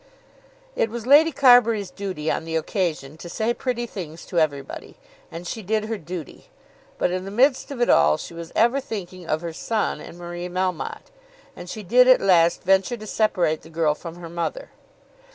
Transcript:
It was Lady Carbury's duty on the occasion to say pretty things to everybody. And she did her duty. But in the midst of it all she was ever thinking of her son and Marie Melmotte, and she did at last venture to separate the girl from her mother.